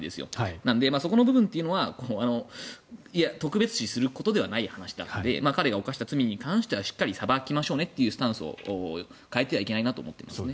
なので、そこの部分というのは特別視することではない話なので彼が犯した罪に関してはしっかり裁きましょうというスタンスを変えてはいけないなと思っています。